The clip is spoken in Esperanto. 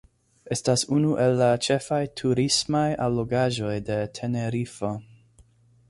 Estas unu el la ĉefaj turismaj allogaĵoj de Tenerifo.